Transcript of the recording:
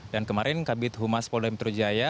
dan kemarin kabinet humas pola mitrujaya